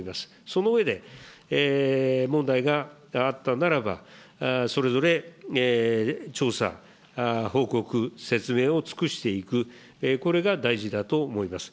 その上で、問題があったならば、それぞれ調査、報告、説明を尽くしていく、これが大事だと思います。